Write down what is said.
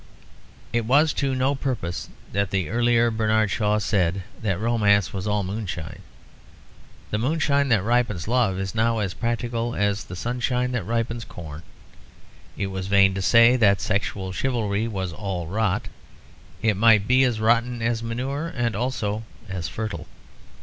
It was to no purpose that the earlier Bernard Shaw said that romance was all moonshine. The moonshine that ripens love is now as practical as the sunshine that ripens corn. It was vain to say that sexual chivalry was all rot; it might be as rotten as manure and also as fertile.